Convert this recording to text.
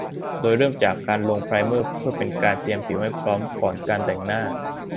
โดยเริ่มจากลงไพรเมอร์เพื่อเป็นการเตรียมผิวให้พร้อมก่อนการแต่งหน้า